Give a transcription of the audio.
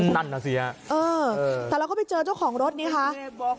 นั่นน่าสิครับเราก็ไปเจอช่องค่องรถนี้นะครับ